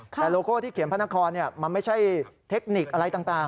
แต่โลโก้ที่เขียนพระนครมันไม่ใช่เทคนิคอะไรต่าง